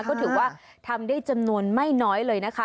ก็ถือว่าทำได้จำนวนไม่น้อยเลยนะคะ